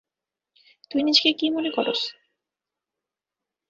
তুই নিজেকে কি মনে করস?